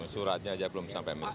suratnya aja belum sampai meja saya